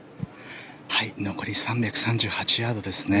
残り３３８ヤードですね。